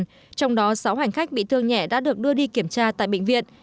trong đó sáu hành khách bị thương nhẹ đã được đưa đi kiểm tra tại bệnh viện